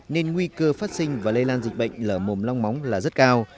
nên nguy cơ phát sinh và lây lan dịch bệnh lở mồm long móng là rất cao